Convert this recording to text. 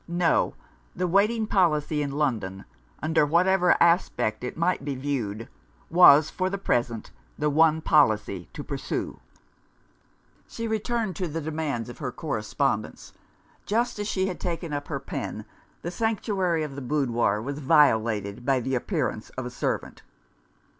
No! the waiting policy in London, under whatever aspect it might be viewed, was, for the present, the one policy to pursue. She returned to the demands of her correspondence. Just as she had taken up her pen, the sanctuary of the boudoir was violated by the appearance of a servant.